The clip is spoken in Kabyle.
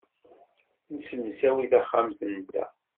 Nessemsawi taxxamt-nteɣ.